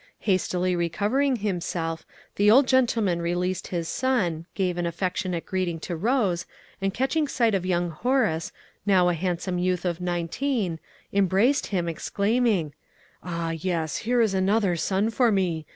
Hastily recovering himself, the old gentleman released his son, gave an affectionate greeting to Rose, and catching sight of young Horace, now a handsome youth of nineteen, embraced him, exclaiming, "Ah, yes, here is another son for me!